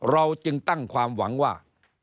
เราจึงตั้งความหวังว่า